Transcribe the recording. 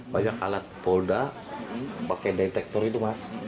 banyak alat polda pakai detektor itu mas